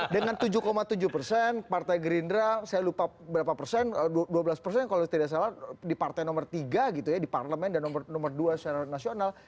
dengan tujuh tujuh persen partai gerindra saya lupa berapa persen dua belas persen kalau tidak salah di partai nomor tiga gitu ya di parlemen dan nomor dua secara nasional